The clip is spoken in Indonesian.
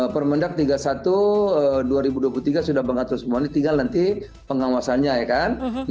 permendak tiga puluh satu dua ribu dua puluh tiga sudah mengatur semua ini tinggal nanti pengawasannya ya kan